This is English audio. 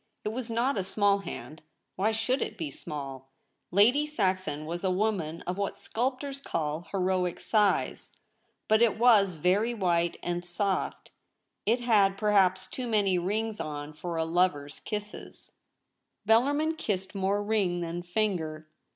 It was not a small hand — why should it be small ?— Lady Saxon was a woman of what sculptors call heroic size — but it was very white and soft. It had perhaps too many rings on for a lover's kisses ; Bellarmin kissed more ring than finger.